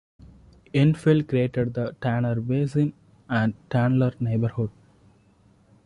Infill created the Tanner Basin and Tannler neighborhoods.